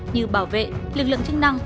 như bảo vệ lực lượng chức năng